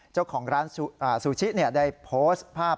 เจ้าของร้านซูชิได้โพสต์ภาพ